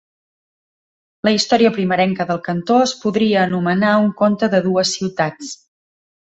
La història primerenca del cantó es podria anomenar un conte de dues ciutats.